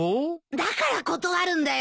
だから断るんだよ。